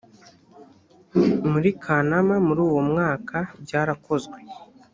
muri kanama muri uwo mwaka byarakozwe